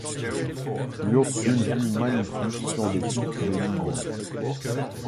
Il offre une vue magnifique sur le pic Lénine.